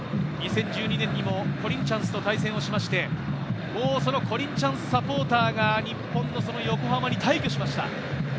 ２０１２年にもコリンチャンスと対戦をしまして、そのコリンチャンスサポーターが日本の横浜に大挙しました。